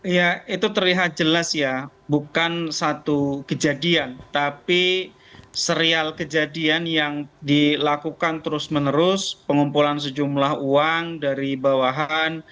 ya itu terlihat jelas ya bukan satu kejadian tapi serial kejadian yang dilakukan terus menerus pengumpulan sejumlah uang dari bawahan